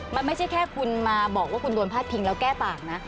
มันไม่ใช่แค่คุณมาบอกว่าคุณโดนพาดพิงแล้วแก้ต่างนะ